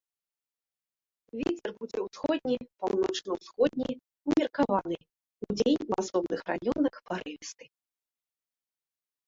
Вецер будзе ўсходні, паўночна-ўсходні ўмеркаваны, удзень у асобных раёнах парывісты.